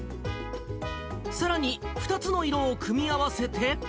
さらに２つの色を組み合わせて。